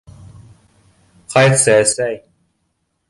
Ҡайтсы, әсәй!